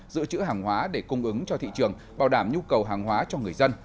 giữ chữ hàng hóa để cung ứng cho thị trường bảo đảm nhu cầu hàng hóa cho người dân